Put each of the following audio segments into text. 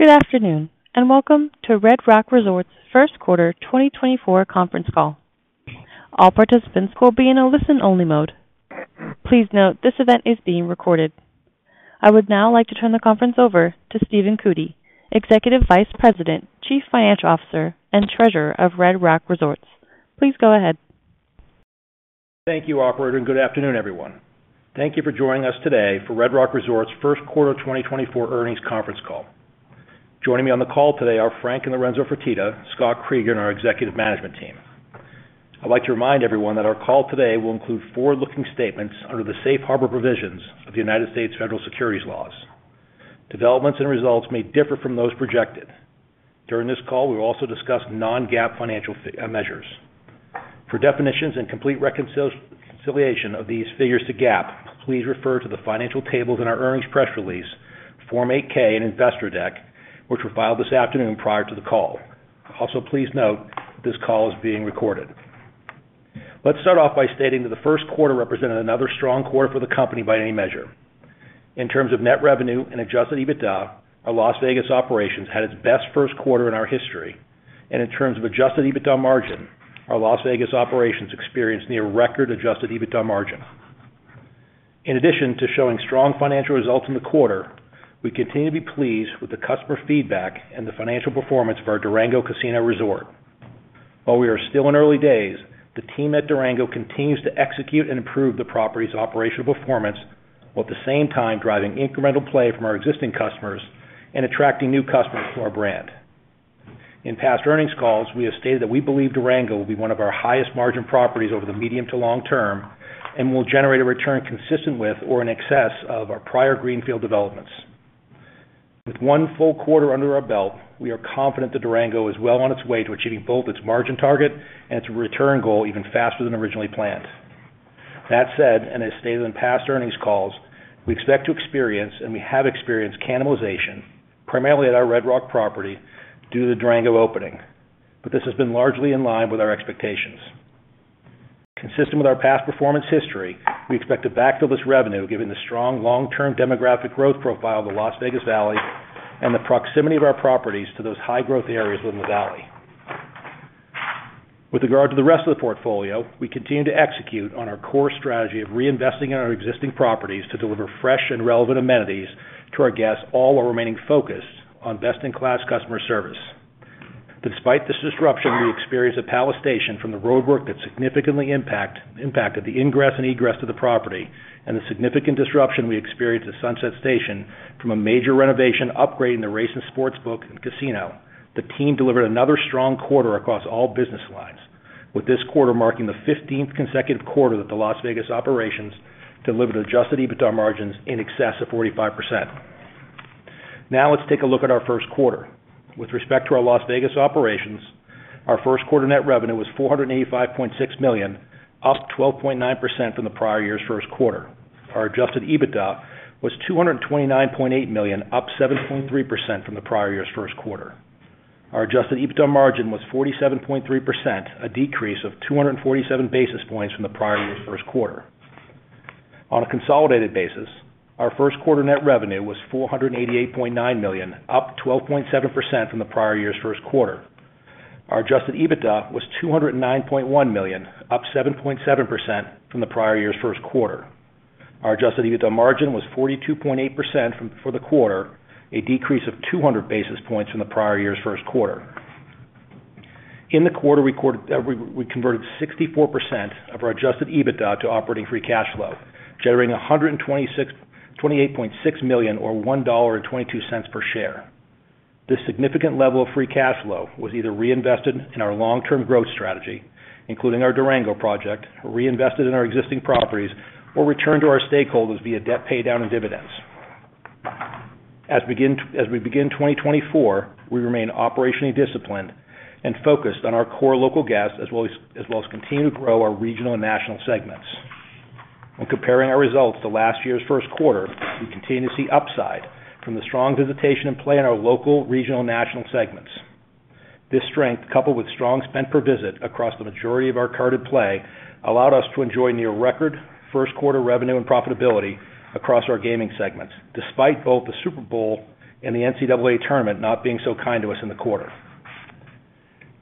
Good afternoon, and welcome to Red Rock Resorts First Quarter 2024 Conference Call. All participants will be in a listen-only mode. Please note this event is being recorded. I would now like to turn the conference over to Stephen Cootey, Executive Vice President, Chief Financial Officer, and Treasurer of Red Rock Resorts. Please go ahead. Thank you, operator, and good afternoon, everyone. Thank you for joining us today for Red Rock Resorts First Quarter 2024 Earnings Conference Call. Joining me on the call today are Frank and Lorenzo Fertitta, Scott Kreeger, and our executive management team. I'd like to remind everyone that our call today will include forward-looking statements under the safe harbor provisions of the United States federal securities laws. Developments and results may differ from those projected. During this call, we will also discuss non-GAAP financial measures. For definitions and complete reconciliation of these figures to GAAP, please refer to the financial tables in our earnings press release, Form 8-K and Investor Deck, which were filed this afternoon prior to the call. Also, please note, this call is being recorded. Let's start off by stating that the first quarter represented another strong quarter for the company by any measure. In terms of net revenue and adjusted EBITDA, our Las Vegas operations had its best first quarter in our history, and in terms of adjusted EBITDA margin, our Las Vegas operations experienced near record adjusted EBITDA margin. In addition to showing strong financial results in the quarter, we continue to be pleased with the customer feedback and the financial performance of our Durango Casino Resort. While we are still in early days, the team at Durango continues to execute and improve the property's operational performance, while at the same time driving incremental play from our existing customers and attracting new customers to our brand. In past earnings calls, we have stated that we believe Durango will be one of our highest-margin properties over the medium to long term and will generate a return consistent with or in excess of our prior greenfield developments. With one full quarter under our belt, we are confident that Durango is well on its way to achieving both its margin target and its return goal even faster than originally planned. That said, and as stated in past earnings calls, we expect to experience and we have experienced cannibalization, primarily at our Red Rock property, due to the Durango opening, but this has been largely in line with our expectations. Consistent with our past performance history, we expect to backfill this revenue, given the strong long-term demographic growth profile of the Las Vegas Valley and the proximity of our properties to those high-growth areas within the valley. With regard to the rest of the portfolio, we continue to execute on our core strategy of reinvesting in our existing properties to deliver fresh and relevant amenities to our guests, all while remaining focused on best-in-class customer service. Despite this disruption, we experienced at Palace Station disruption from the roadwork that significantly impacted the ingress and egress of the property and the significant disruption we experienced at Sunset Station from a major renovation upgrade in the race and sportsbook and casino. The team delivered another strong quarter across all business lines, with this quarter marking the 15th consecutive quarter that the Las Vegas operations delivered adjusted EBITDA margins in excess of 45%. Now, let's take a look at our first quarter. With respect to our Las Vegas operations, our first quarter net revenue was $485.6 million, up 12.9% from the prior year's first quarter. Our adjusted EBITDA was $229.8 million, up 7.3% from the prior year's first quarter. Our adjusted EBITDA margin was 47.3%, a decrease of 247 basis points from the prior year's first quarter. On a consolidated basis, our first quarter net revenue was $488.9 million, up 12.7% from the prior year's first quarter. Our adjusted EBITDA was $209.1 million, up 7.7% from the prior year's first quarter. Our adjusted EBITDA margin was 42.8% for the quarter, a decrease of 200 basis points from the prior year's first quarter. In the quarter, we recorded, we converted 64% of our adjusted EBITDA to operating free cash flow, generating $128.6 million or $1.22 per share. This significant level of free cash flow was either reinvested in our long-term growth strategy, including our Durango project, or reinvested in our existing properties, or returned to our stakeholders via debt paydown and dividends. As we begin 2024, we remain operationally disciplined and focused on our core local guests, as well as continue to grow our regional and national segments. When comparing our results to last year's first quarter, we continue to see upside from the strong visitation and play in our local, regional, and national segments. This strength, coupled with strong spend per visit across the majority of our carded play, allowed us to enjoy near record first-quarter revenue and profitability across our gaming segments, despite both the Super Bowl and the NCAA Tournament not being so kind to us in the quarter.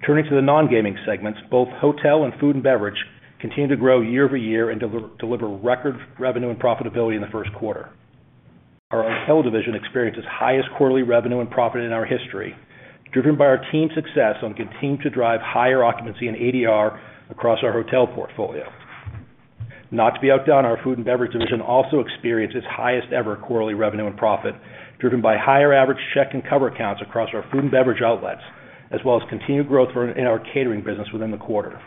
Turning to the non-gaming segments, both hotel and food and beverage continued to grow year-over-year and deliver record revenue and profitability in the first quarter. Our hotel division experienced its highest quarterly revenue and profit in our history, driven by our team's success on continuing to drive higher occupancy and ADR across our hotel portfolio. Not to be outdone, our food and beverage division also experienced its highest-ever quarterly revenue and profit, driven by higher average check and cover counts across our food and beverage outlets, as well as continued growth in our catering business within the quarter.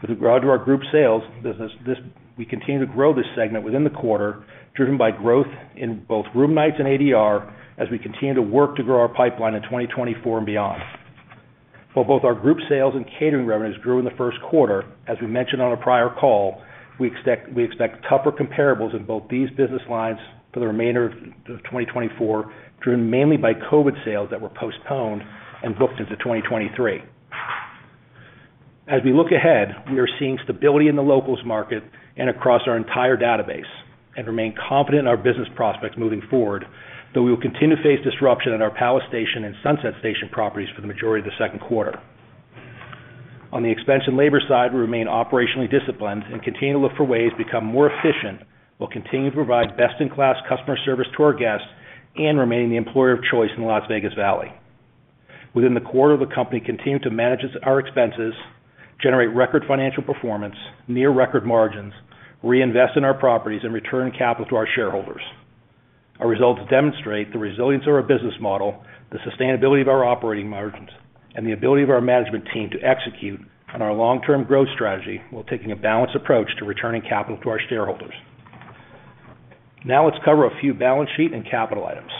With regard to our group sales business, we continued to grow this segment within the quarter, driven by growth in both room nights and ADR, as we continue to work to grow our pipeline in 2024 and beyond. While both our Group Sales and Catering revenues grew in the first quarter, as we mentioned on a prior call, we expect tougher comparables in both these business lines for the remainder of 2024, driven mainly by COVID sales that were postponed and booked into 2023. As we look ahead, we are seeing stability in the locals market and across our entire database, and remain confident in our business prospects moving forward, though we will continue to face disruption in our Palace Station and Sunset Station properties for the majority of the second quarter. On the expense and labor side, we remain operationally disciplined and continue to look for ways to become more efficient, while continuing to provide best-in-class customer service to our guests and remaining the employer of choice in the Las Vegas Valley. Within the quarter, the company continued to manage our expenses, generate record financial performance, near-record margins, reinvest in our properties, and return capital to our shareholders. Our results demonstrate the resilience of our business model, the sustainability of our operating margins, and the ability of our management team to execute on our long-term growth strategy, while taking a balanced approach to returning capital to our shareholders. Now let's cover a few balance sheet and capital items.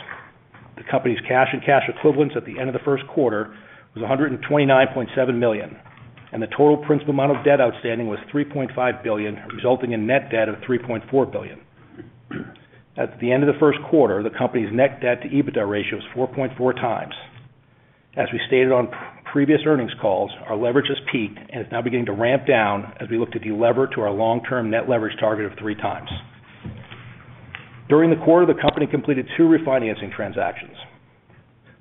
The company's cash and cash equivalents at the end of the first quarter was $129.7 million, and the total principal amount of debt outstanding was $3.5 billion, resulting in net debt of $3.4 billion. At the end of the first quarter, the company's net debt to EBITDA ratio was 4.4x. As we stated on previous earnings calls, our leverage has peaked and is now beginning to ramp down as we look to delever to our long-term net leverage target of 3x. During the quarter, the company completed two refinancing transactions.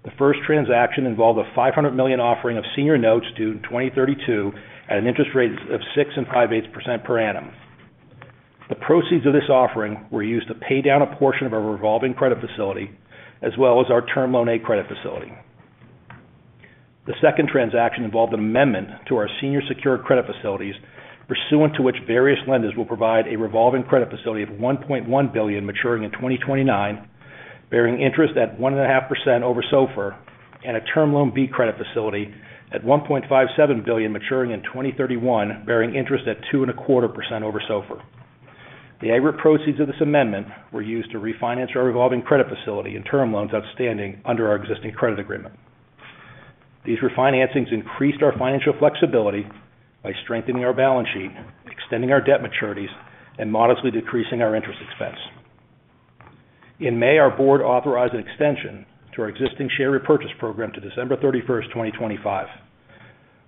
The first transaction involved a $500 million offering of Senior Notes due in 2032 at an interest rate of 6.625% per annum. The proceeds of this offering were used to pay down a portion of our Revolving Credit Facility, as well as our Term Loan A credit facility. The second transaction involved an amendment to our senior secured credit facilities, pursuant to which various lenders will provide a revolving credit facility of $1.1 billion, maturing in 2029, bearing interest at 1.5% over SOFR, and a Term Loan B credit facility at $1.57 billion, maturing in 2031, bearing interest at 2.25% over SOFR. The average proceeds of this amendment were used to refinance our revolving credit facility and term loans outstanding under our existing credit agreement. These refinancings increased our financial flexibility by strengthening our balance sheet, extending our debt maturities, and modestly decreasing our interest expense. In May, our board authorized an extension to our existing share repurchase program to December 31st, 2025.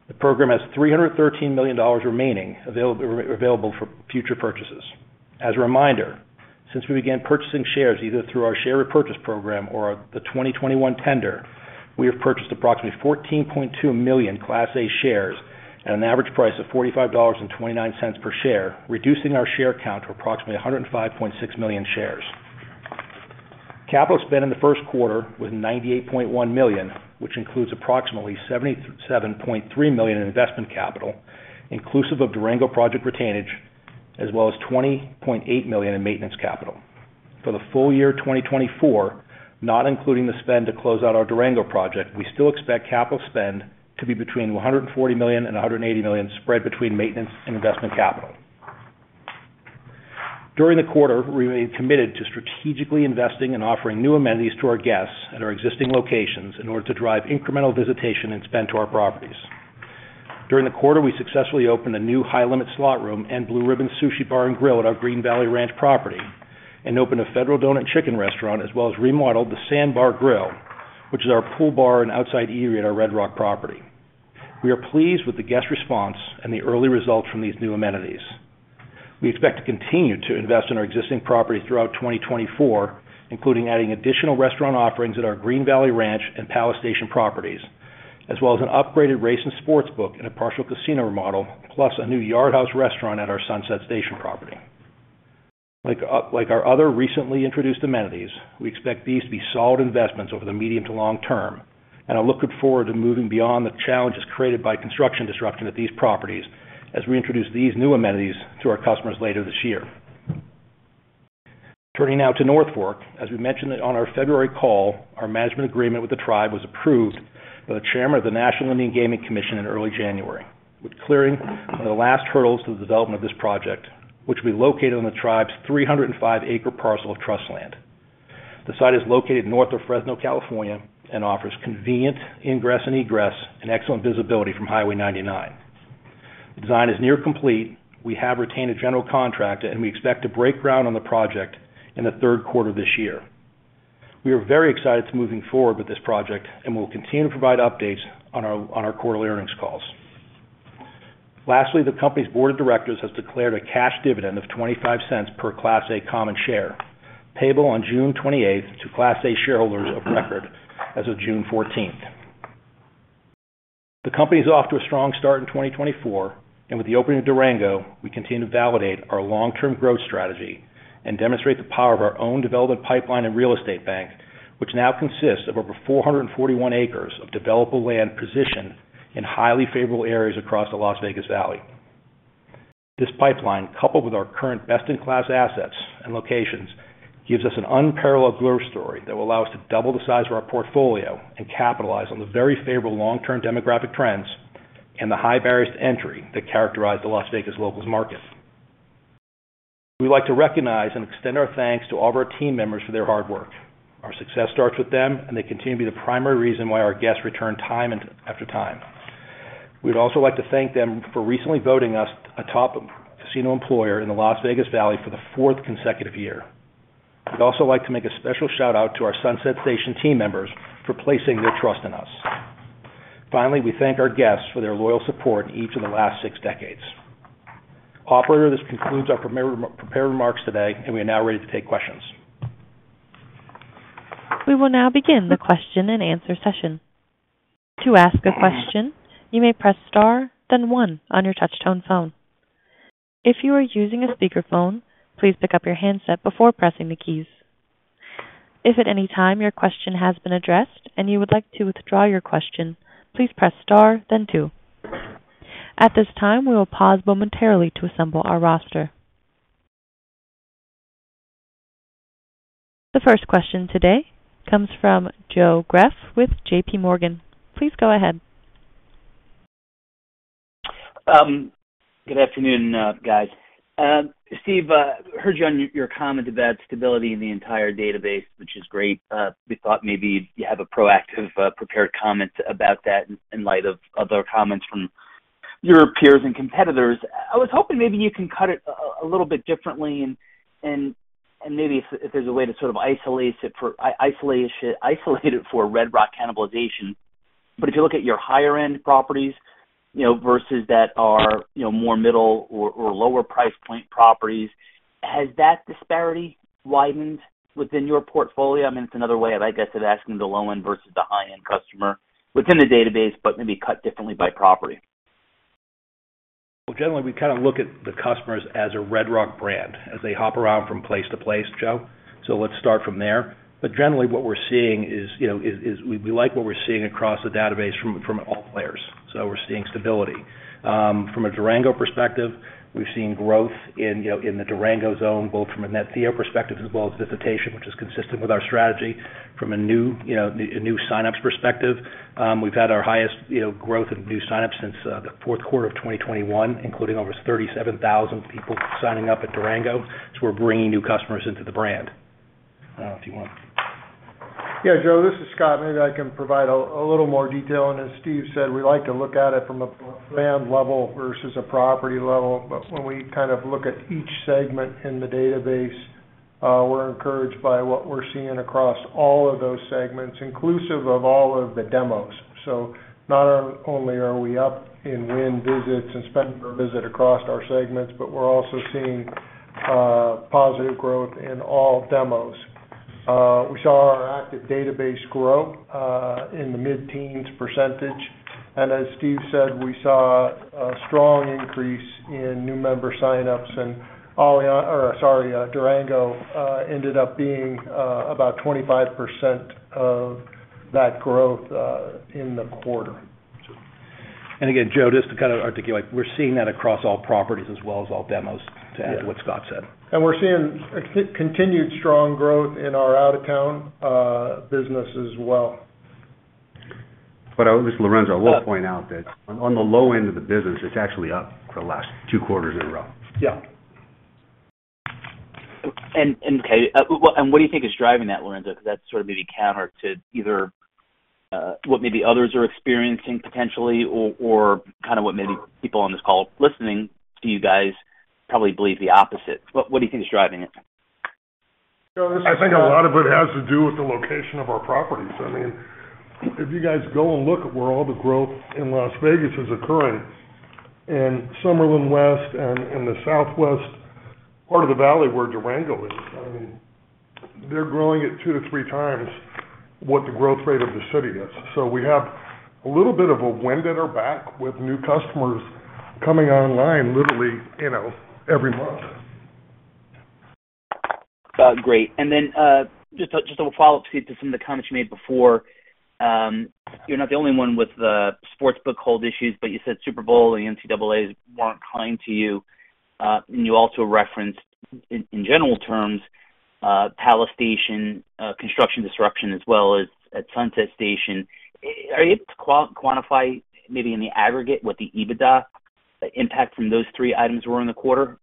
The program has $313 million remaining available for future purchases. As a reminder, since we began purchasing shares, either through our share repurchase program or the 2021 tender, we have purchased approximately 14.2 million Class A shares at an average price of $45.29 per share, reducing our share count to approximately 105.6 million shares. Capital spend in the first quarter was $98.1 million, which includes approximately $77.3 million in investment capital, inclusive of Durango project retainage, as well as $20.8 million in maintenance capital. For the full year 2024, not including the spend to close out our Durango project, we still expect capital spend to be between $140 million and $180 million, spread between maintenance and investment capital. During the quarter, we remained committed to strategically investing and offering new amenities to our guests at our existing locations in order to drive incremental visitation and spend to our properties. During the quarter, we successfully opened a new high-limit slot room and Blue Ribbon Sushi Bar & Grill at our Green Valley Ranch property, and opened a Federal Donuts & Chicken restaurant, as well as remodeled the Sandbar Grille, which is our pool bar and outside eatery at our Red Rock property. We are pleased with the guest response and the early results from these new amenities. We expect to continue to invest in our existing properties throughout 2024, including adding additional restaurant offerings at our Green Valley Ranch and Palace Station properties, as well as an upgraded race and sportsbook and a partial casino remodel, plus a new Yard House restaurant at our Sunset Station property. Like, like our other recently introduced amenities, we expect these to be solid investments over the medium to long term, and are looking forward to moving beyond the challenges created by construction disruption at these properties as we introduce these new amenities to our customers later this year. Turning now to North Fork. As we mentioned on our February call, our management agreement with the tribe was approved by the chairman of the National Indian Gaming Commission in early January, with clearing the last hurdles to the development of this project, which will be located on the tribe's 305-acre parcel of trust land. The site is located north of Fresno, California, and offers convenient ingress and egress and excellent visibility from Highway 99. The design is near complete. We have retained a general contractor, and we expect to break ground on the project in the third quarter this year. We are very excited to moving forward with this project, and we'll continue to provide updates on our quarterly earnings calls. Lastly, the company's board of directors has declared a cash dividend of $0.25 per Class A Common Share, payable on June 28th to Class A shareholders of record as of June 14th. The company is off to a strong start in 2024, and with the opening of Durango, we continue to validate our long-term growth strategy and demonstrate the power of our own development pipeline and real estate bank, which now consists of over 441 acres of developable land, positioned in highly favorable areas across the Las Vegas Valley. This pipeline, coupled with our current best-in-class assets and locations, gives us an unparalleled growth story that will allow us to double the size of our portfolio and capitalize on the very favorable long-term demographic trends and the high barriers to entry that characterize the Las Vegas locals market. We'd like to recognize and extend our thanks to all of our team members for their hard work. Our success starts with them, and they continue to be the primary reason why our guests return time after time. We'd also like to thank them for recently voting us a top casino employer in the Las Vegas Valley for the fourth consecutive year. We'd also like to make a special shout-out to our Sunset Station team members for placing their trust in us. Finally, we thank our guests for their loyal support in each of the last six decades. Operator, this concludes our prepared remarks today, and we are now ready to take questions. We will now begin the question and answer session. To ask a question, you may press star, then one on your touchtone phone. If you are using a speakerphone, please pick up your handset before pressing the keys. If at any time your question has been addressed and you would like to withdraw your question, please press star, then two. At this time, we will pause momentarily to assemble our roster. The first question today comes from Joe Greff with J.P. Morgan. Please go ahead. Good afternoon, guys. Steve, heard you on your comment about stability in the entire database, which is great. We thought maybe you'd have a proactive, prepared comment about that in light of other comments from your peers and competitors. I was hoping maybe you can cut it a little bit differently and maybe if there's a way to sort of isolate it for Red Rock cannibalization. But if you look at your higher-end properties, you know, versus that are, you know, more middle or lower price point properties, has that disparity widened within your portfolio? I mean, it's another way of, I guess, asking the low end versus the high-end customer within the database, but maybe cut differently by property. Well, generally, we kind of look at the customers as a Red Rock brand, as they hop around from place to place, Joe. So let's start from there. But generally, what we're seeing is, you know, we like what we're seeing across the database from all players. So we're seeing stability. From a Durango perspective, we've seen growth in, you know, in the Durango zone, both from a net Theo perspective as well as visitation, which is consistent with our strategy. From a new, you know, a new signups perspective, we've had our highest, you know, growth of new signups since the fourth quarter of 2021, including over 37,000 people signing up at Durango. So we're bringing new customers into the brand. I don't know if you want. Yeah, Joe, this is Scott. Maybe I can provide a little more detail. And as Steve said, we like to look at it from a brand level versus a property level. But when we kind of look at each segment in the database, we're encouraged by what we're seeing across all of those segments, inclusive of all of the demos. So not only are we up in win visits and spend per visit across our segments, but we're also seeing positive growth in all demos. We saw our active database grow in the mid-teens %, and as Steve said, we saw a strong increase in new member signups, and Oleon, or sorry, Durango, ended up being about 25% of that growth in the quarter. And again, Joe, just to kind of articulate, we're seeing that across all properties as well as all demos, to add to what Scott said. We're seeing continued strong growth in our out-of-town business as well. This is Lorenzo. I will point out that on the low end of the business, it's actually up for the last two quarters in a row. Yeah. And what do you think is driving that, Lorenzo? Because that's sort of maybe counter to either what maybe others are experiencing potentially or kind of what maybe people on this call listening to you guys probably believe the opposite. What do you think is driving it? I think a lot of it has to do with the location of our properties. I mean, if you guys go and look at where all the growth in Las Vegas is occurring, in Summerlin West and in the Southwest part of the valley where Durango is, I mean, they're growing at two to three times what the growth rate of the city is. So we have a little bit of a wind at our back with new customers coming online literally, you know, every month. Great. And then, just a follow-up to some of the comments you made before. You're not the only one with the sportsbook hold issues, but you said Super Bowl and the NCAAs weren't kind to you. And you also referenced in general terms Palace Station construction disruption as well as at Sunset Station. Are you able to quantify maybe in the aggregate what the EBITDA impact from those three items were in the quarter,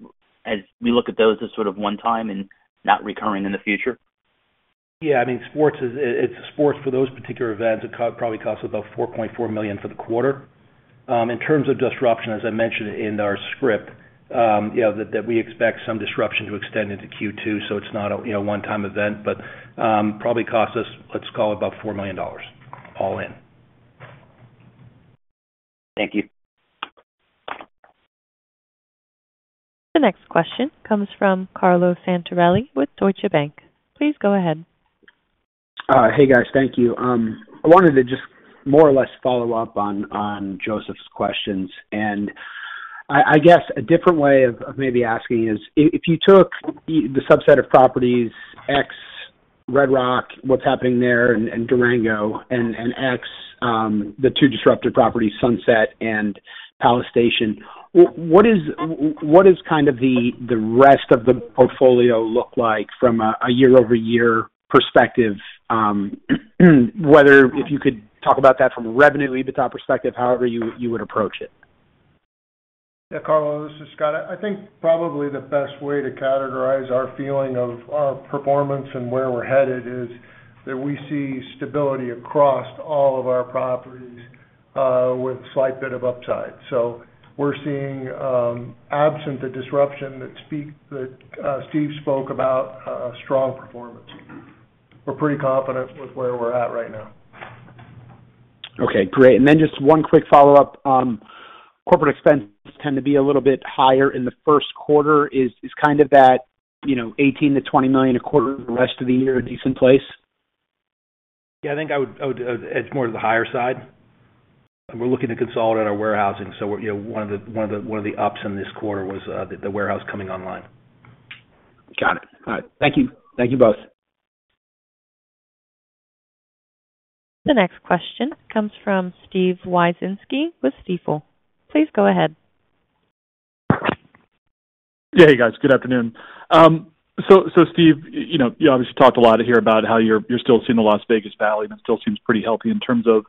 as we look at those as sort of one time and not recurring in the future? Yeah, I mean, sports is, it's sports for those particular events, it probably cost about $4.4 million for the quarter. In terms of disruption, as I mentioned in our script, you know, that we expect some disruption to extend into Q2, so it's not a, you know, one-time event, but probably cost us, let's call it, about $4 million all in. Thank you. The next question comes from Carlo Santarelli with Deutsche Bank. Please go ahead. Hey, guys. Thank you. I wanted to just more or less follow up on, on Joseph's questions, and I, I guess a different way of, of maybe asking is, if, if you took the, the subset of properties ex-Red Rock, what's happening there and, and Durango and, and ex, the two disrupted properties, Sunset and Palace Station, what is, what is kind of the, the rest of the portfolio look like from a, a year-over-year perspective? Whether if you could talk about that from a revenue EBITDA perspective, however you, you would approach it. Yeah, Carlo, this is Scott. I think probably the best way to categorize our feeling of our performance and where we're headed is that we see stability across all of our properties, with a slight bit of upside. So we're seeing, absent the disruption that Steve spoke about, strong performance. We're pretty confident with where we're at right now. Okay, great. Then just one quick follow-up. Corporate expenses tend to be a little bit higher in the first quarter. Is kind of that, you know, $18 million-$20 million a quarter the rest of the year a decent place? Yeah, I think I would. It's more to the higher side, and we're looking to consolidate our warehousing. So, you know, one of the ups in this quarter was the warehouse coming online. Got it. All right. Thank you. Thank you both. The next question comes from Steven Wieczynski with Stifel. Please go ahead. Yeah, hey, guys. Good afternoon. So, Steve, you know, you obviously talked a lot here about how you're still seeing the Las Vegas Valley, and it still seems pretty healthy in terms of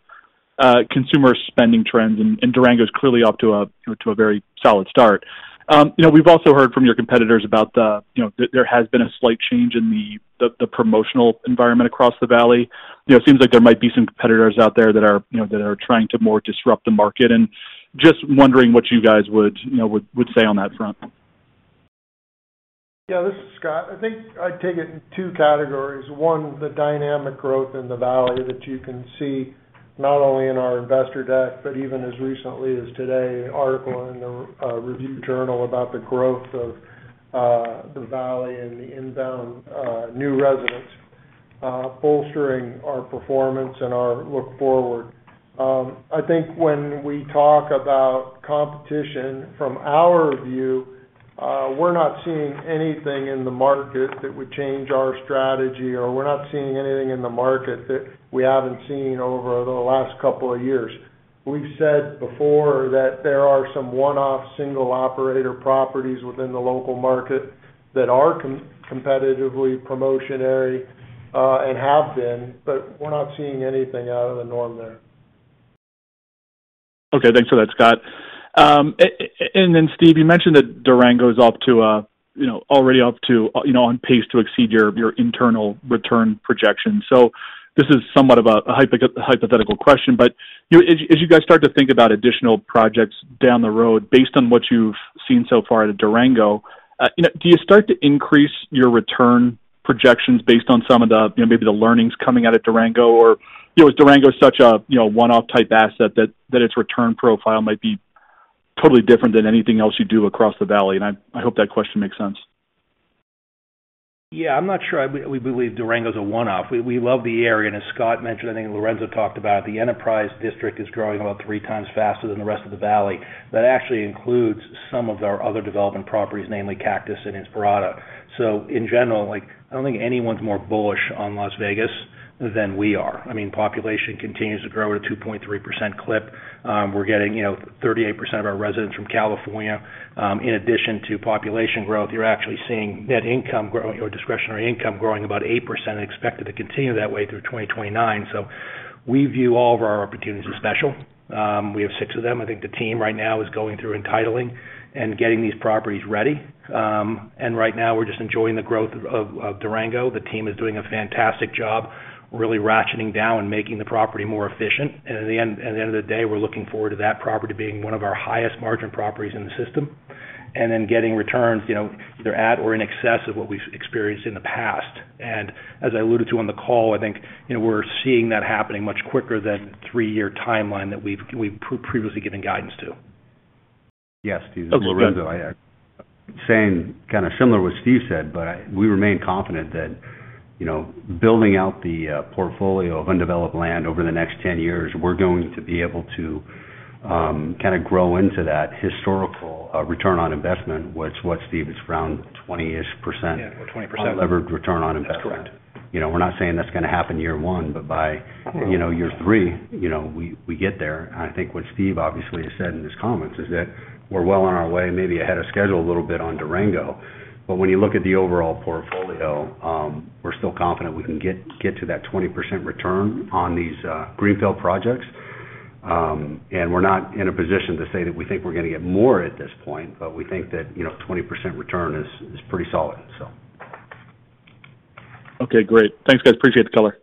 consumer spending trends, and Durango is clearly off to a very solid start. You know, we've also heard from your competitors about the, you know, that there has been a slight change in the promotional environment across the valley. You know, it seems like there might be some competitors out there that are, you know, that are trying to more disrupt the market. And just wondering what you guys would say on that front. Yeah, this is Scott. I think I'd take it in two categories. One, the dynamic growth in the valley that you can see not only in our Investor Deck, but even as recently as today, an article in the Las Vegas Review-Journal about the growth of the valley and the inbound new residents bolstering our performance and our outlook. I think when we talk about competition from our view, we're not seeing anything in the market that would change our strategy, or we're not seeing anything in the market that we haven't seen over the last couple of years. We've said before that there are some one-off, single-operator properties within the local market that are competitively promotional, and have been, but we're not seeing anything out of the norm there. Okay. Thanks for that, Scott. And then, Steve, you mentioned that Durango is up to a, you know, already up to, you know, on pace to exceed your, your internal return projections. So this is somewhat of a hypothetical question, but you know, as, as you guys start to think about additional projects down the road, based on what you've seen so far at Durango, you know, do you start to increase your return projections based on some of the, you know, maybe the learnings coming out of Durango? Or, you know, is Durango such a, you know, one-off type asset that, that its return profile might be totally different than anything else you do across the valley? And I, I hope that question makes sense. Yeah, we believe Durango is a one-off. We love the area, and as Scott mentioned, I think Lorenzo talked about, the Enterprise District is growing about three times faster than the rest of the valley. That actually includes some of our other development properties, namely Cactus and Inspirada. So in general, like, I don't think anyone's more bullish on Las Vegas than we are. I mean, population continues to grow at a 2.3% clip. We're getting, you know, 38% of our residents from California. In addition to population growth, you're actually seeing net income grow, or discretionary income growing about 8% and expected to continue that way through 2029. So we view all of our opportunities as special. We have six of them. I think the team right now is going through entitling and getting these properties ready. And right now, we're just enjoying the growth of Durango. The team is doing a fantastic job really ratcheting down and making the property more efficient. And in the end, at the end of the day, we're looking forward to that property being one of our highest margin properties in the system, and then getting returns, you know, either at or in excess of what we've experienced in the past. And as I alluded to on the call, I think, you know, we're seeing that happening much quicker than the three-year timeline that we've previously given guidance to. Oh, good. Yes, this is Lorenzo. Saying kind of similar what Steve said, but we remain confident that, you know, building out the portfolio of undeveloped land over the next 10 years, we're going to be able to kind of grow into that historical return on investment, which what Steve is around 20-ish% Yeah, or 20%. Unlevered return on investment. That's correct. You know, we're not saying that's gonna happen year one, but by, you know, year three, you know, we get there. And I think what Steve obviously has said in his comments is that we're well on our way, maybe ahead of schedule, a little bit on Durango. But when you look at the overall portfolio, we're still confident we can get to that 20% return on these greenfield projects. And we're not in a position to say that we think we're gonna get more at this point, but we think that, you know, 20% return is pretty solid, so. Okay, great. Thanks, guys. Appreciate the color.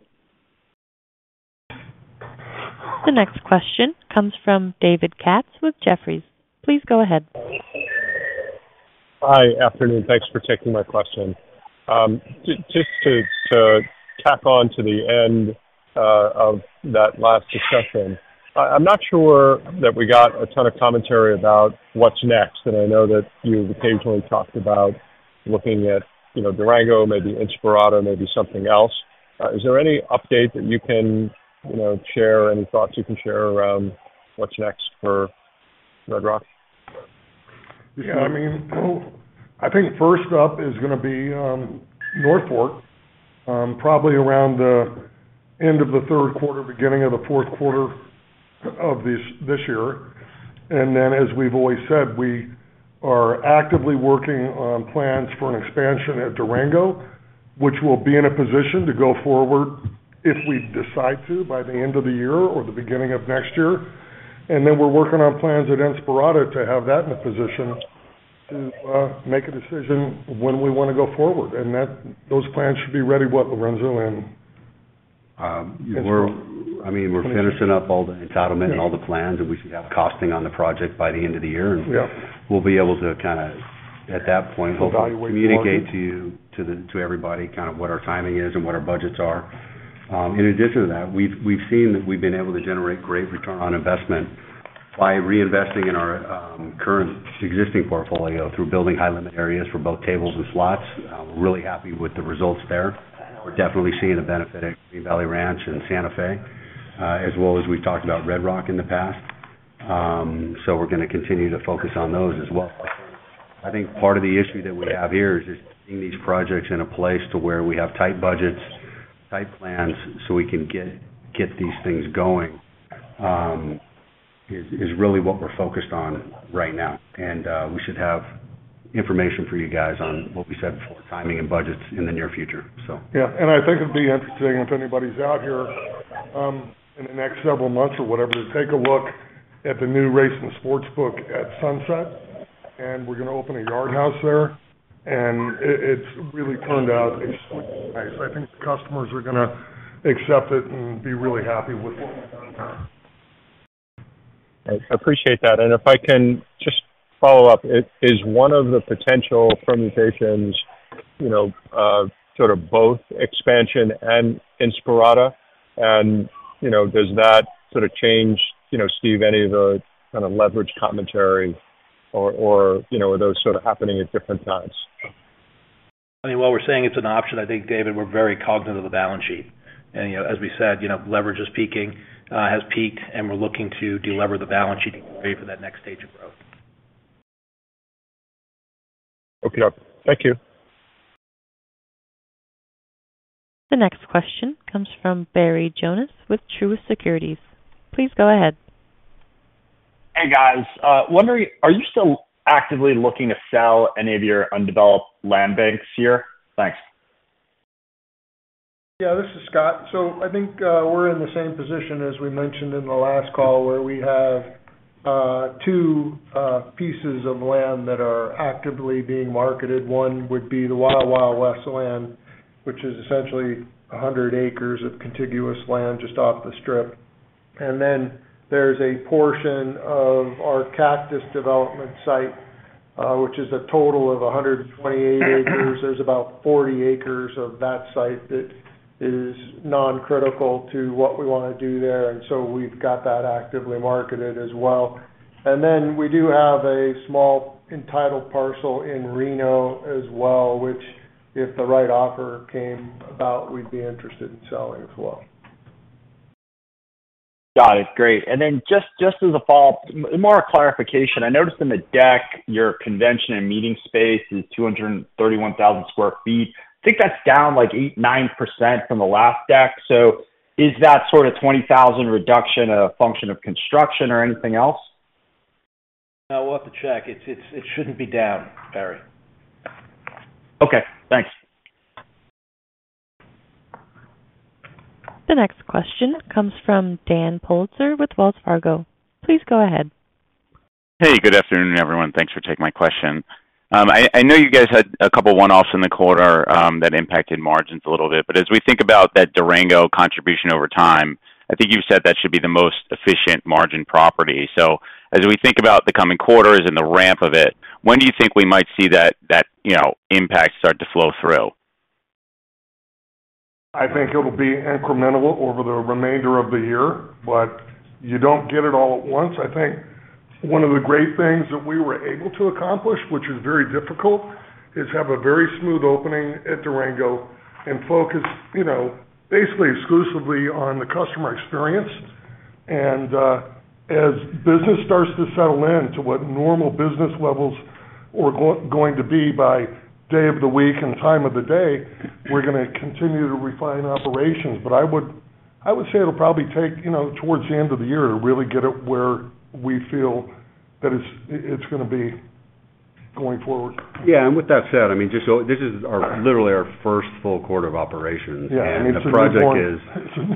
The next question comes from David Katz with Jefferies. Please go ahead. Hi. Afternoon. Thanks for taking my question. Just to tack on to the end of that last discussion, I'm not sure that we got a ton of commentary about what's next, and I know that you've occasionally talked about looking at, you know, Durango, maybe Inspirada, maybe something else. Is there any update that you can, you know, share, any thoughts you can share around what's next for Red Rock? Yeah, I mean, well, I think first up is gonna be North Fork, probably around the end of the third quarter, beginning of the fourth quarter of this year. And then, as we've always said, we are actively working on plans for an expansion at Durango, which will be in a position to go forward if we decide to, by the end of the year or the beginning of next year. And then we're working on plans at Inspirada to have that in a position to make a decision when we wanna go forward, and that, those plans should be ready, what, Lorenzo, in? I mean, we're finishing up all the entitlement and all the plans, and we should have costing on the project by the end of the year. Yep. We'll be able to kinda, at that point- Evaluate more. communicate to you, to everybody, kind of what our timing is and what our budgets are. In addition to that, we've seen that we've been able to generate great return on investment by reinvesting in our current existing portfolio through building high-limit areas for both tables and slots. We're really happy with the results there. We're definitely seeing a benefit at Green Valley Ranch and Santa Fe, as well as we've talked about Red Rock in the past. So we're gonna continue to focus on those as well. I think part of the issue that we have here is just getting these projects in a place to where we have tight budgets, tight plans, so we can get these things going, is really what we're focused on right now. We should have information for you guys on what we said before, timing and budgets, in the near future, so. Yeah, and I think it'd be interesting, if anybody's out here, in the next several months or whatever, to take a look at the new race and sports book at Sunset, and we're gonna open a Yard House there, and it, it's really turned out extremely nice. I think the customers are gonna accept it and be really happy with what we've done there. I appreciate that, and if I can just follow up. Is one of the potential permutations, you know, sort of both expansion and Inspirada? And, you know, does that sort of change, you know, Steve, any of the kind of leverage commentary or, you know, are those sort of happening at different times? I mean, while we're saying it's an option, I think, David, we're very cognizant of the balance sheet. And, you know, as we said, you know, leverage is peaking, has peaked, and we're looking to delever the balance sheet to pay for that next stage of growth. Okay. Thank you. The next question comes from Barry Jonas with Truist Securities. Please go ahead. Hey, guys, wondering, are you still actively looking to sell any of your undeveloped land banks this year? Thanks. Yeah, this is Scott. So I think, we're in the same position as we mentioned in the last call, where we have, two, pieces of land that are actively being marketed. One would be the Wild Wild West land, which is essentially 100 acres of contiguous land just off the Strip. And then, there's a portion of our Cactus development site, which is a total of 128 acres. There's about 40 acres of that site that is non-critical to what we wanna do there, and so we've got that actively marketed as well. And then, we do have a small entitled parcel in Reno as well, which, if the right offer came about, we'd be interested in selling as well. Got it. Great. And then just, just as a follow-up, more a clarification: I noticed in the deck, your convention and meeting space is 231,000 sq ft. I think that's down, like, 8%-9% from the last deck. So is that sort of 20,000 reduction a function of construction or anything else? No. We'll have to check. It's it shouldn't be down, Barry. Okay, thanks. The next question comes from Dan Politzer with Wells Fargo. Please go ahead. Hey, good afternoon, everyone. Thanks for taking my question. I know you guys had a couple one-offs in the quarter that impacted margins a little bit, but as we think about that Durango contribution over time, I think you've said that should be the most efficient margin property. So as we think about the coming quarters and the ramp of it, when do you think we might see that, you know, impact start to flow through? I think it'll be incremental over the remainder of the year, but you don't get it all at once. I think one of the great things that we were able to accomplish, which is very difficult, is have a very smooth opening at Durango and focus, you know, basically exclusively on the customer experience. And as business starts to settle in to what normal business levels or going to be by day of the week and time of the day, we're gonna continue to refine operations. But I would say it'll probably take, you know, towards the end of the year to really get it where we feel that it's going to be going forward. Yeah, and with that said, I mean, just so... this is our, literally our first full quarter of operation. Yeah. The project is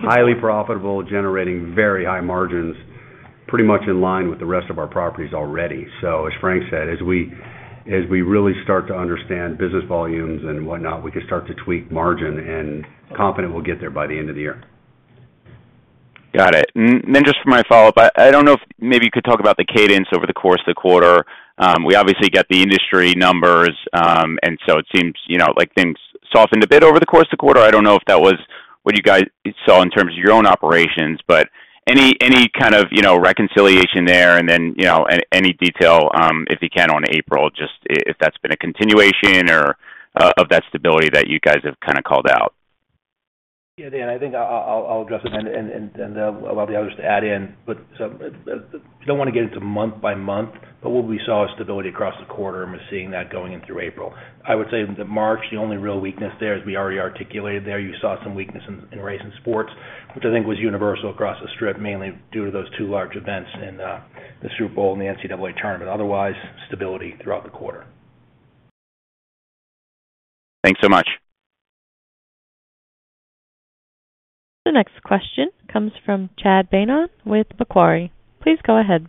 highly profitable, generating very high margins, pretty much in line with the rest of our properties already. So as Frank said, as we really start to understand business volumes and whatnot, we can start to tweak margin and confident we'll get there by the end of the year. Got it. And then just for my follow-up, I don't know if maybe you could talk about the cadence over the course of the quarter. We obviously got the industry numbers, and so it seems, you know, like things softened a bit over the course of the quarter. I don't know if that was what you guys saw in terms of your own operations, but any kind of, you know, reconciliation there, and then, you know, any detail, if you can, on April, just if that's been a continuation or of that stability that you guys have kind of called out? Yeah, Dan, I think I'll address it and I'll allow the others to add in. But don't want to get into month by month, but what we saw is stability across the quarter, and we're seeing that going in through April. I would say that March, the only real weakness there, as we already articulated there, you saw some weakness in race and sports, which I think was universal across the Strip, mainly due to those two large events, the Super Bowl and the NCAA Tournament. Otherwise, stability throughout the quarter. Thanks so much. The next question comes from Chad Beynon with Macquarie. Please go ahead.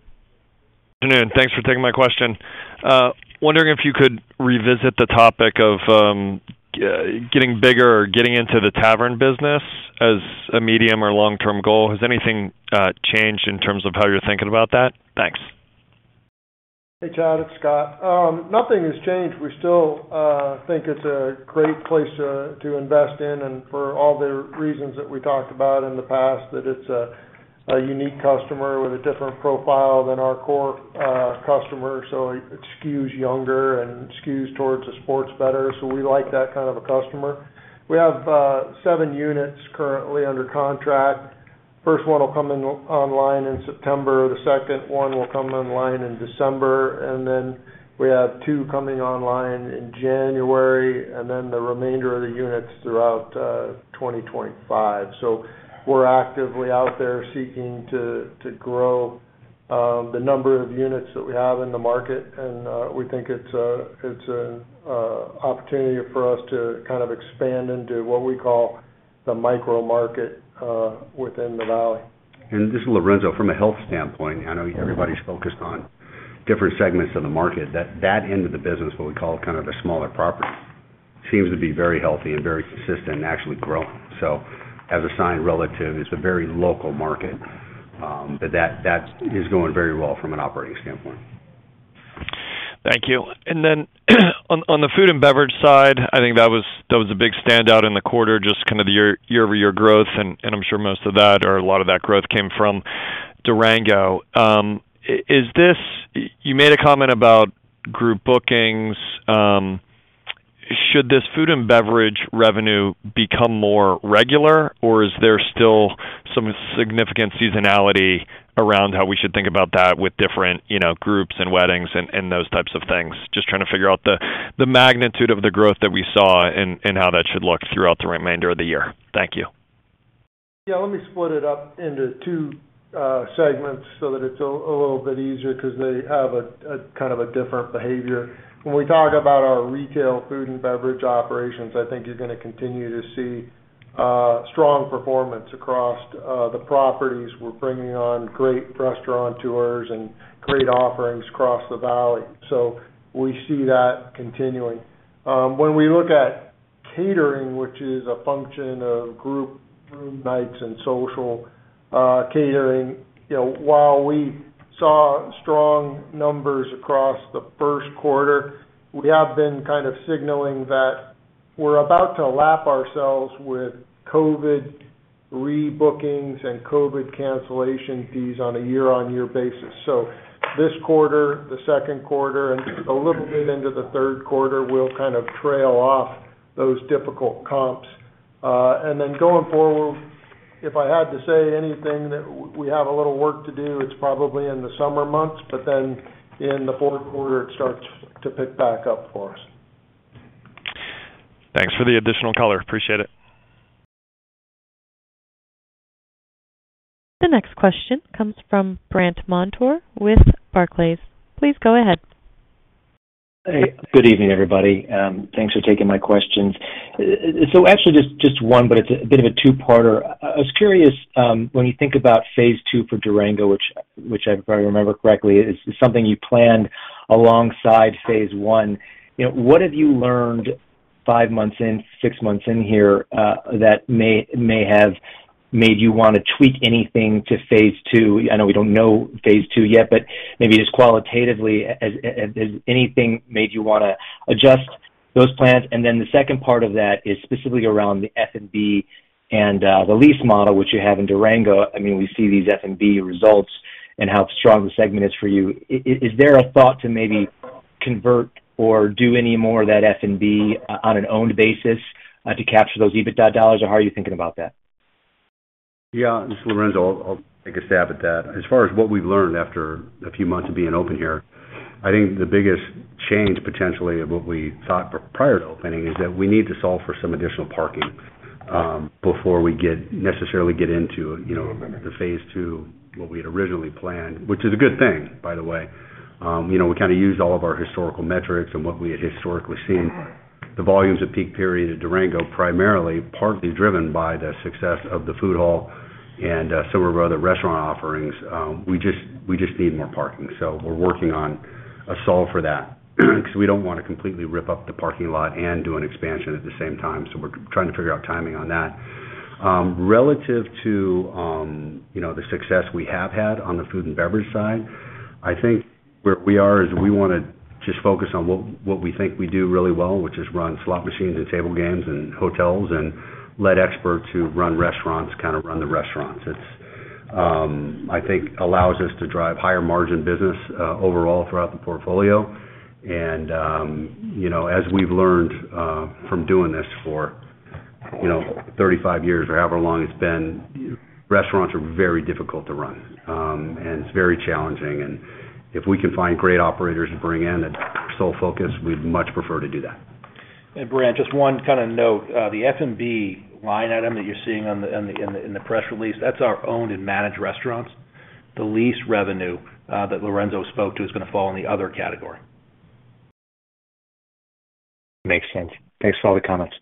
Good afternoon. Thanks for taking my question. Wondering if you could revisit the topic of getting bigger or getting into the tavern business as a medium or long-term goal. Has anything changed in terms of how you're thinking about that? Thanks. Hey, Chad, it's Scott. Nothing has changed. We still think it's a great place to invest in, and for all the reasons that we talked about in the past, that it's a unique customer with a different profile than our core customer. So it skews younger and skews towards the sports betters, so we like that kind of a customer. We have seven units currently under contract. First one will come online in September, the second one will come online in December, and then we have two coming online in January, and then the remainder of the units throughout 2025. We're actively out there seeking to grow the number of units that we have in the market, and we think it's an opportunity for us to kind of expand into what we call the micro market within the valley. This is Lorenzo. From a health standpoint, I know everybody's focused on different segments of the market. That end of the business, what we call kind of a smaller property, seems to be very healthy and very consistent and actually growing. So, as a sidebar, it's a very local market, but that is going very well from an operating standpoint. Thank you. Then on the food and beverage side, I think that was a big standout in the quarter, just kind of the year-over-year growth, and I'm sure most of that or a lot of that growth came from Durango. You made a comment about group bookings. Should this food and beverage revenue become more regular, or is there still some significant seasonality around how we should think about that with different, you know, groups and weddings and those types of things? Just trying to figure out the magnitude of the growth that we saw and how that should look throughout the remainder of the year. Thank you. Yeah, let me split it up into two segments so that it's a little bit easier because they have a kind of a different behavior. When we talk about our retail food and beverage operations, I think you're going to continue to see strong performance across the properties. We're bringing on great restaurateurs and great offerings across the valley. So we see that continuing. When we look at catering, which is a function of group group nights and social catering, you know, while we saw strong numbers across the first quarter, we have been kind of signaling that we're about to lap ourselves with COVID rebookings and COVID cancellation fees on a year-on-year basis. So this quarter, the second quarter, and a little bit into the third quarter, we'll kind of trail off those difficult comps. And then going forward, if I had to say anything that we have a little work to do, it's probably in the summer months, but then in the fourth quarter, it starts to pick back up for us. Thanks for the additional color. Appreciate it. The next question comes from Brandt Montour with Barclays. Please go ahead. Hey, good evening, everybody. Thanks for taking my questions. So actually, just one, but it's a bit of a two-parter. I was curious, when you think about phase two for Durango, which, if I remember correctly, is something you planned alongside phase one, you know, what have you learned five months in, six months in here, that may have made you want to tweak anything to phase two? I know we don't know phase two yet, but maybe just qualitatively, as has anything made you want to adjust those plans? And then the second part of that is specifically around the F&B and the lease model, which you have in Durango. I mean, we see these F&B results and how strong the segment is for you. Is there a thought to maybe convert or do any more of that F&B on an owned basis, to capture those EBITDA dollars, or how are you thinking about that? Yeah, this is Lorenzo. I'll take a stab at that. As far as what we've learned after a few months of being open here, I think the biggest change, potentially, of what we thought prior to opening, is that we need to solve for some additional parking before we necessarily get into, you know, the phase two, what we had originally planned, which is a good thing, by the way. You know, we kind of used all of our historical metrics and what we had historically seen. The volumes of peak period at Durango, primarily, partly driven by the success of the food hall and some of our other restaurant offerings. We just, we just need more parking, so we're working on a solve for that. Because we don't want to completely rip up the parking lot and do an expansion at the same time, so we're trying to figure out timing on that. Relative to, you know, the success we have had on the food and beverage side, I think where we are is we want to just focus on what we think we do really well, which is run slot machines and table games and hotels, and let experts who run restaurants kind of run the restaurants. It, I think, allows us to drive higher-margin business overall throughout the portfolio. And, you know, as we've learned from doing this for 35 years or however long it's been, restaurants are very difficult to run. It's very challenging, and if we can find great operators to bring in that sole focus, we'd much prefer to do that. Brandt, just one kind of note, the F&B line item that you're seeing in the press release, that's our owned and managed restaurants. The lease revenue that Lorenzo spoke to is going to fall in the other category. Makes sense. Thanks for all the comments.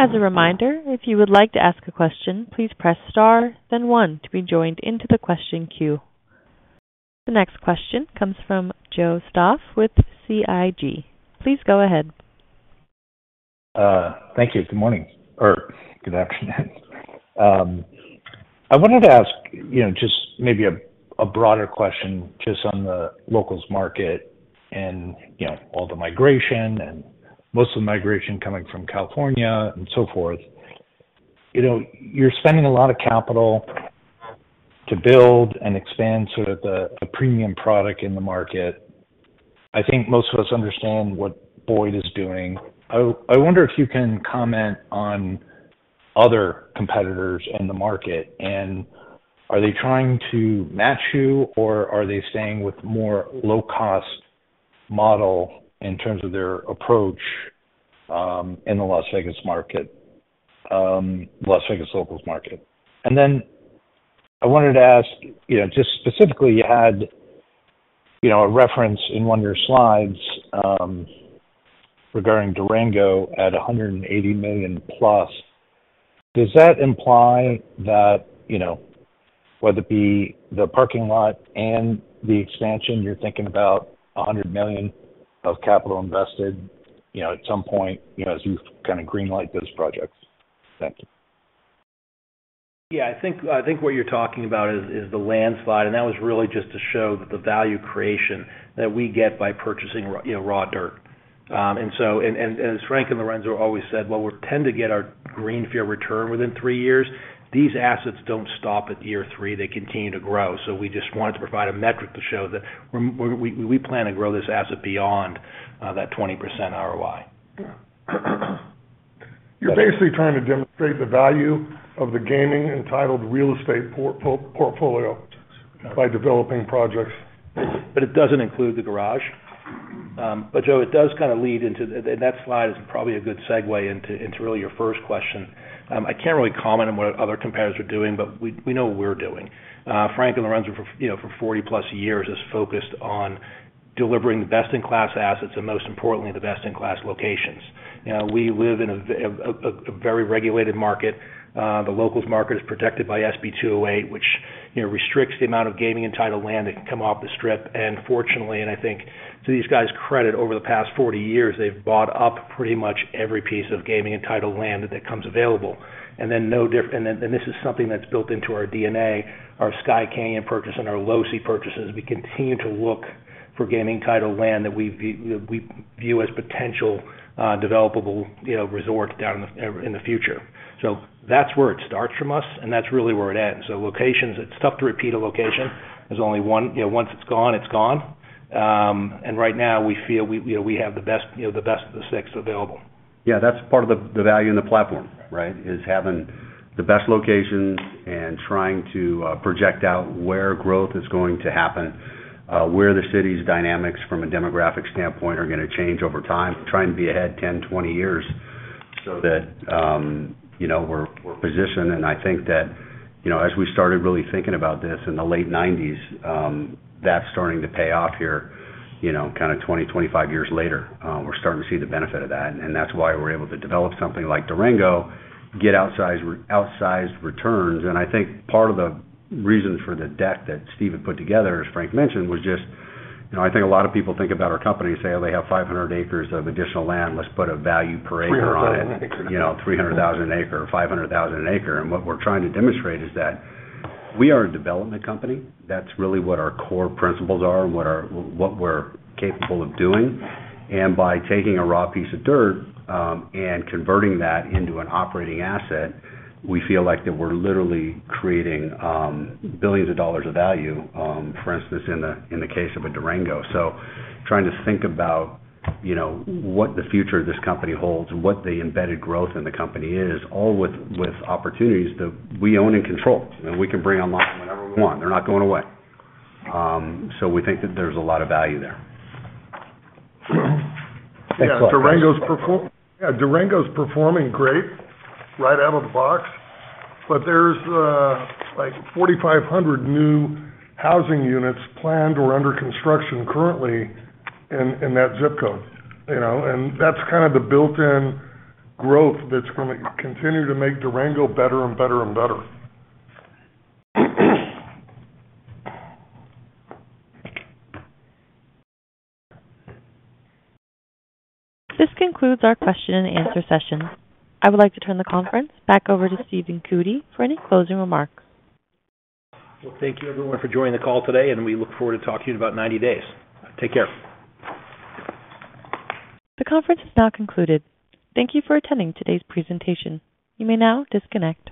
As a reminder, if you would like to ask a question, please press star, then one to be joined into the question queue. The next question comes from Joe Stauff with SIG. Please go ahead. Thank you. Good morning or good afternoon. I wanted to ask, you know, just maybe a broader question just on the locals market and, you know, all the migration and most of the migration coming from California and so forth. You know, you're spending a lot of capital to build and expand sort of the premium product in the market. I think most of us understand what Boyd is doing. I wonder if you can comment on other competitors in the market, and are they trying to match you, or are they staying with more low-cost model in terms of their approach, in the Las Vegas market, Las Vegas locals market? And then I wanted to ask, you know, just specifically, you had, you know, a reference in one of your slides, regarding Durango at $180 million+. Does that imply that, you know, whether it be the parking lot and the expansion, you're thinking about $100 million of capital invested, you know, at some point, you know, as you kind of green light those projects? Thank you. Yeah, I think what you're talking about is the land slide, and that was really just to show the value creation that we get by purchasing, you know, raw dirt. And so, as Frank and Lorenzo always said, while we tend to get our green field return within three years, these assets don't stop at year three, they continue to grow. So we just wanted to provide a metric to show that we plan to grow this asset beyond that 20% ROI. You're basically trying to demonstrate the value of the gaming-entitled real estate portfolio by developing projects. But it doesn't include the garage. But, Joe, it does kind of lead into the... That slide is probably a good segue into, into really your first question. I can't really comment on what other competitors are doing, but we, we know what we're doing. Frank and Lorenzo, for, you know, for 40+ years, is focused on delivering the best-in-class assets and most importantly, the best-in-class locations. You know, we live in a, a very regulated market. The locals market is protected by SB 208, which, you know, restricts the amount of gaming-entitled land that can come off the Strip. Fortunately, and I think to these guys' credit, over the past 40 years, they've bought up pretty much every piece of gaming-entitled land that comes available. And then, and this is something that's built into our DNA, our Skye Canyon purchase and our Losee purchases. We continue to look for gaming-entitled land that we view as potential developable, you know, resort down in the, in the future. So that's where it starts from us, and that's really where it ends. So locations, it's tough to repeat a location. There's only one. You know, once it's gone, it's gone. And right now, we feel we, you know, we have the best, you know, the best of the six available. Yeah, that's part of the, the value in the platform, right? Is having the best locations and trying to project out where growth is going to happen, where the city's dynamics from a demographic standpoint are gonna change over time, trying to be ahead 10, 20 years so that, you know, we're, we're positioned. And I think that, you know, as we started really thinking about this in the late 1990s, that's starting to pay off here, you know, kind of 20, 25 years later. We're starting to see the benefit of that, and that's why we're able to develop something like Durango, get outsized, outsized returns. I think part of the reason for the debt that Stephen put together, as Frank mentioned, was just, you know, I think a lot of people think about our company and say, "Oh, they have 500 acres of additional land. Let's put a value per acre on it. 300,000 acres. You know, $300,000 an acre, $500,000 an acre. What we're trying to demonstrate is that we are a development company. That's really what our core principles are and what we're capable of doing. By taking a raw piece of dirt and converting that into an operating asset, we feel like that we're literally creating billions of dollars of value, for instance, in the case of a Durango. So trying to think about, you know, what the future of this company holds and what the embedded growth in the company is, all with opportunities that we own and control, and we can bring them online whenever we want. They're not going away. So we think that there's a lot of value there. Thanks a lot- Yeah, Durango's performing great right out of the box, but there's, like, 4,500 new housing units planned or under construction currently in, in that zip code, you know? And that's kind of the built-in growth that's gonna continue to make Durango better and better and better. This concludes our question and answer session. I would like to turn the conference back over to Stephen Cootey for any closing remarks. Well, thank you, everyone, for joining the call today, and we look forward to talking to you in about 90 days. Take care. The conference is now concluded. Thank you for attending today's presentation. You may now disconnect.